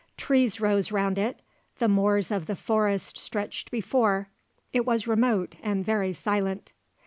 Trees rose round it, the moors of the forest stretched before. It was remote and very silent.